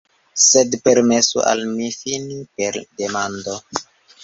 Sed permesu al mi fini per demando.